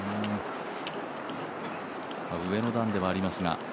上の段ではありますが。